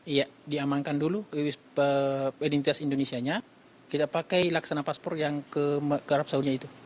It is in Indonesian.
iya diamankan dulu identitas indonesia nya kita pakai laksana paspor yang ke arab saudi itu